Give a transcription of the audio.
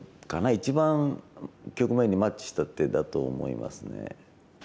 一番局面にマッチした手だと思いますね。